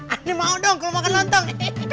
agni mau dong kalau makan lontong